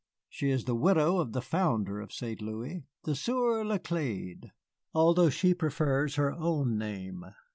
She is the widow of the founder of St. Louis, the Sieur Laclède, although she prefers her own name.